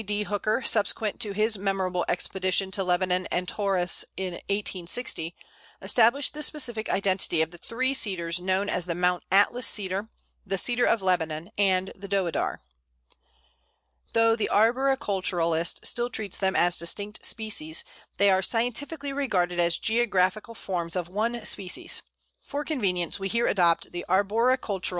D. Hooker, subsequent to his memorable expedition to Lebanon and Taurus in 1860, established the specific identity of the three Cedars known as the Mount Atlas Cedar, the Cedar of Lebanon, and the Deodar. Though the arboriculturist still treats them as distinct species, they are scientifically regarded as geographical forms of one species. For convenience we here adopt the arboriculturist's view. [Illustration: _Pl.